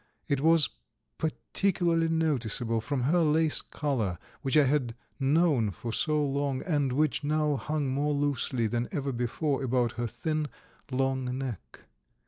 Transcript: It was particularly noticeable from her lace collar which I had known for so long, and which now hung more loosely than ever before about her thin, long neck.